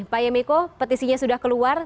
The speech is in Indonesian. pak yamiko petisinya sudah keluar